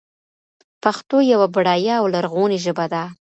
پښتو يوه بډايه او لرغونې ژبه ده.